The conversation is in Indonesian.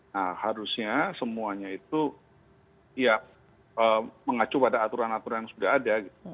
nah harusnya semuanya itu ya mengacu pada aturan aturan yang sudah ada